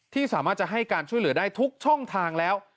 ที่สามารถจะให้การช่วยเหลือได้ทุกช่องทางแล้ว